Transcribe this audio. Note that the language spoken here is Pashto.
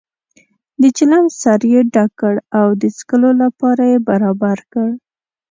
د چلم سر یې ډک کړ او د څکلو لپاره یې برابر کړ.